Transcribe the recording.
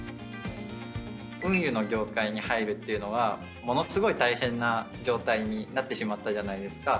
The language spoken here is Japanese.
運輸の業界に入るっていうのはものすごい大変な状態になってしまったじゃないですか。